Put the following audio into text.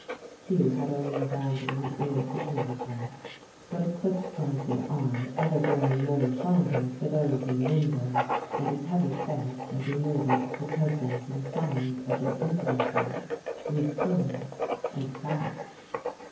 Hugh had only a wandering ear for table talk, but a quick glancing eye, ever growing more sombre, for those in the window, and his heavy face, as he noted the tokens and signs of their intimacy, grew sullen and savage.